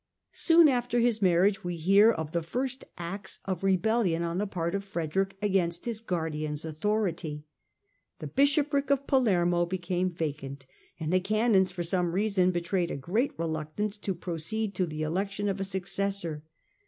Soon after his marriage we hear of the first acts of rebellion on the part of Frederick against his guardian's authority. The bishopric of Palermo became vacant, and the Canons for some reason betrayed a great reluctance to proceed to the election of a successor.